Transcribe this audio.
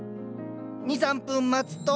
２３分待つと。